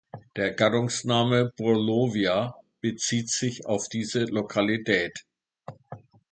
Der Gattungsname "Purlovia" bezieht sich auf diese Lokalität.